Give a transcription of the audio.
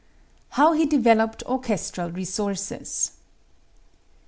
How He Developed Orchestral Resources.